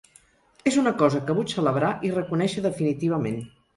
És una cosa que vull celebrar i reconèixer definitivament.